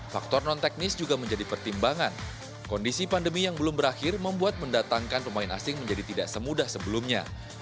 faktor non teknis juga menjadi pertimbangan kondisi pandemi yang belum berakhir membuat mendatangkan pemain asing menjadi tidak semudah sebelumnya